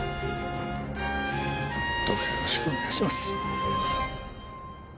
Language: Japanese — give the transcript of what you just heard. どうかよろしくお願いします。